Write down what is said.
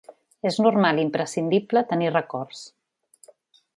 És normal i imprescindible tenir records.